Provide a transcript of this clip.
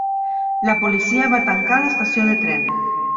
La policia va tancar l'estació de tren.